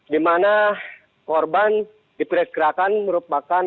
di mana korban diperkirakan merupakan